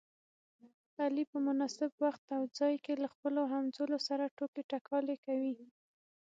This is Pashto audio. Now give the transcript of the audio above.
علي په مناسب وخت او ځای کې له خپلو همځولو سره ټوکې ټکالې کوي.